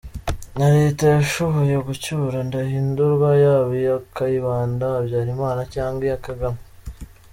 Nta leta yashoboye gucyura Ndahindurwa, yaba iya Kayibanda, Habyarimana, cyangwa iya Kagame.